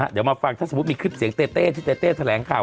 เดี๋ยวมาฟังถ้าสมมุติมีคลิปเสียงเต้ที่เต้เต้แถลงข่าว